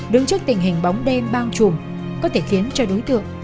đứng trước tình hình bóng đêm bao trùm có thể khiến cho đối tượng